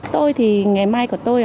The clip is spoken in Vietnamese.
tôi thì nghề mai của tôi